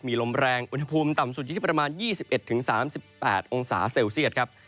มีลมแรงอุณหภูมิต่ำสุดอยู่ที่ประมาณ๒๑๓๘องศาเซลเซียตครับ